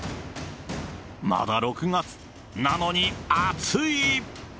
まだ６月、なのに暑い。